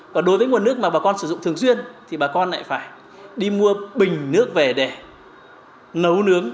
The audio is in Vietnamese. và đối với nguồn nước mà bà con sử dụng thường xuyên thì bà con lại phải đi mua bình nước về để nấu nướng và ăn uống